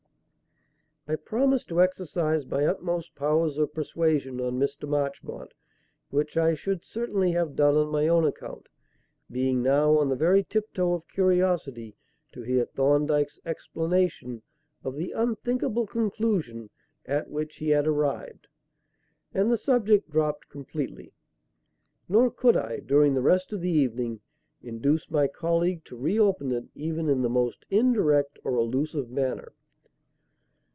I promised to exercise my utmost powers of persuasion on Mr. Marchmont which I should certainly have done on my own account, being now on the very tiptoe of curiosity to hear Thorndyke's explanation of the unthinkable conclusion at which he had arrived and the subject dropped completely; nor could I, during the rest of the evening, induce my colleague to reopen it even in the most indirect or allusive manner.